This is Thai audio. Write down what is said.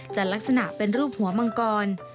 ลักษณะเป็นรูปหัวมังกร